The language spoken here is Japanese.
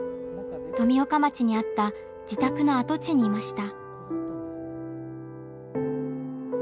富岡町にあった自宅の跡地にいました。